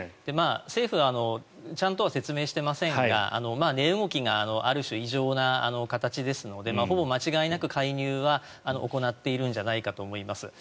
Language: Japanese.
政府がちゃんとは説明していませんが値動きがある種、異常な形ですのでほぼ間違いなく介入は行っているんじゃないかと思います。